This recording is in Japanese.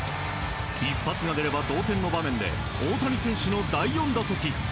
一発が出れば同点の場面で大谷選手の第４打席。